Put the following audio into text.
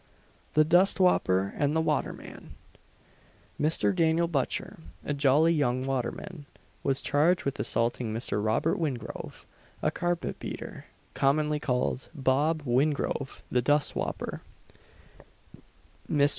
THE DUST WHOPPER AND THE WATERMAN. Mr. Daniel Butcher, "a jolly young waterman," was charged with assaulting Mr. Robert Wingrove, a carpet beater commonly called "Bob Wingrove, the dust whopper." Mr.